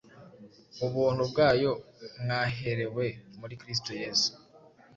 ubuntu bwayo mwaherewe muri Kristo Yesu